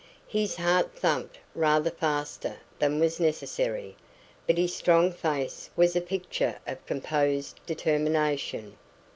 His heart thumped rather faster than was necessary, but his strong face was a picture of composed determination.